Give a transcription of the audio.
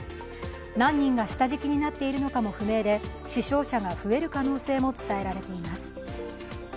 何人が下敷きになっているのかも不明で、死傷者が増える可能性も伝えられています。